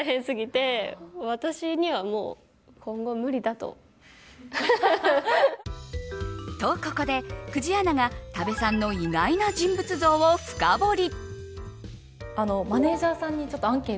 とここで、久慈アナが多部さんの意外な人物像を深掘り。